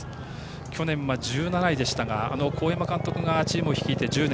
去年は１７位でしたが神山監督がチームを率いて１０年。